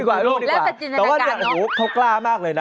อะไรหวังหัวเขากล้ามากเลยน่ะ